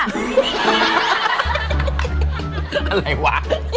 อะไรวะ